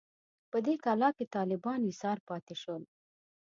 په دې کلا کې طالبان ایسار پاتې شول.